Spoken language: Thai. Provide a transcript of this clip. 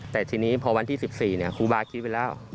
แต่ทีนี้พอวันที่๑๔ครูบาคิดไว้แล้ว